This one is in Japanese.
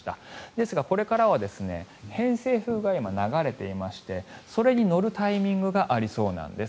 ですが、これからは偏西風が今、流れていましてそれに乗るタイミングがありそうなんです。